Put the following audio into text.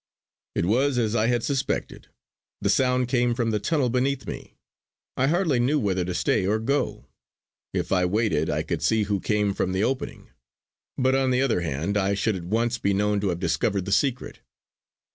It was as I had suspected; the sound came from the tunnel beneath me. I hardly knew whether to stay or go. If I waited I could see who came from the opening; but on the other hand I should at once be known to have discovered the secret.